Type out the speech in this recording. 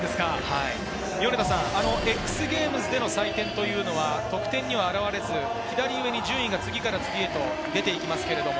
米田さん、ＸＧａｍｅｓでの採点というのは得点にはあらわれず、左上に順位が次から次へと出ます。